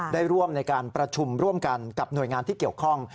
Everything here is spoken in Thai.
ได้ร่วมในการประชุมร่วมกันกับหน่วยงานที่เกี่ยวข้อง